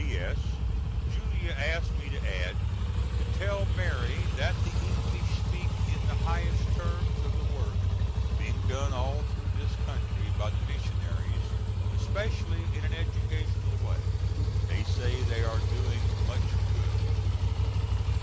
P.S. Julia asks me to add, to tell Mary that the English speak in the highest terms of the work being done all through this country by the missionaries, especially in an educational way. They say they are doing much good.